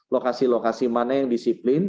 lokasi lokasi mana yang disiplin